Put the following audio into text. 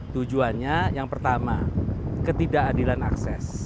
tujuannya yang pertama ketidakadilan akses